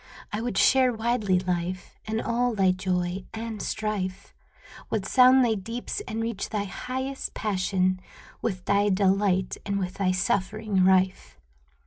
I would share widely, Life, In all thy joy and strife, Would sound thy deeps and reach thy highest passion, With thy delight and with thy suffering rife.